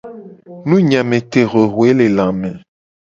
Nunyiametehuehuelelame.